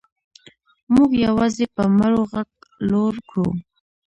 موږ یوازې په مړو غږ لوړ کړو.